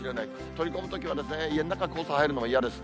取り込むときは、家の中、黄砂入るのも嫌です。